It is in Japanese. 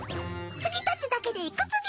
つぎたちだけで行くつぎ！